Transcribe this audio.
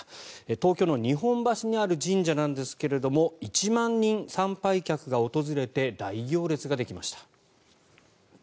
東京の日本橋にある神社なんですけれども１万人参拝客が訪れて大行列ができました。